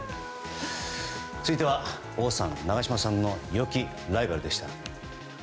続いては、王さん長嶋さんの良きライバルでした。